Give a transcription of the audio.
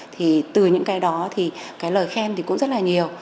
thì từ những cái đó thì cái lời khen thì cũng rất là nhiều